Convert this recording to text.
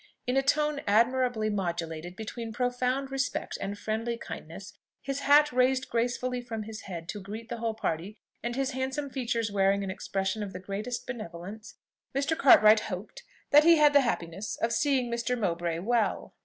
In a tone admirably modulated between profound respect and friendly kindness, his hat raised gracefully from his head to greet the whole party, and his handsome features wearing an expression of the gentlest benevolence, Mr. Cartwright hoped that he had the happiness of seeing Mr. Mowbray well.